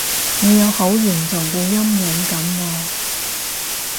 你有好嚴重嘅陰影噉喎